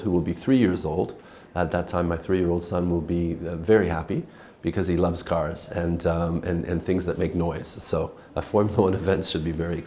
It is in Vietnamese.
chúng ta sẽ trở thành một cộng đồng thông minh cộng đồng